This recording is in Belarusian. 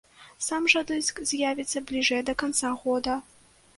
Сам жа дыск з'явіцца бліжэй да канца года.